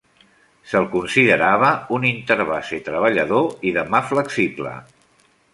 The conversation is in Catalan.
Se'l considerava un interbase treballador i de mà flexible.